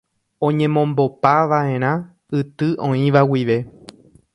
oñemombopava'erã yty oĩva guive